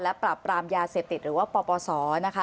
และปรับปรามยาเสพติดหรือว่าปปศนะคะ